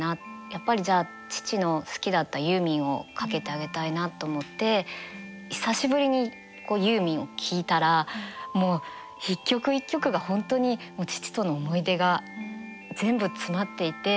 やっぱりじゃあ父の好きだったユーミンをかけてあげたいなと思って久しぶりにユーミンを聴いたらもう一曲一曲が本当に父との思い出が全部詰まっていて。